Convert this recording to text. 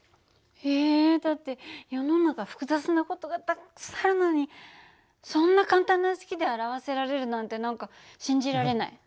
えだって世の中複雑な事がたっくさんあるのにそんな簡単な式で表せられるなんて何か信じられない。